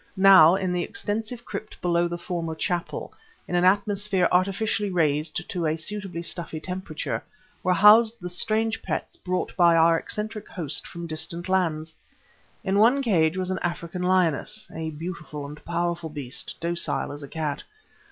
Now, in the extensive crypt below the former chapel, in an atmosphere artificially raised to a suitably stuffy temperature, were housed the strange pets brought by our eccentric host from distant lands. In one cage was an African lioness, a beautiful and powerful beast, docile as a cat.